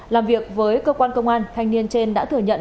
làm việc với cơ quan công an thanh niên trên đã thừa nhận